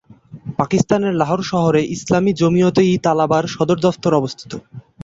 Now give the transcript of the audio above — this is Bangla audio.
পাকিস্তানের লাহোর শহরে ইসলামী জমিয়তে-ই-তালাবার সদর দফতর অবস্থিত।